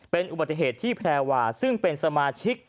เป็นอุบัติเหตุที่แพรวาซึ่งเป็นสมาชิก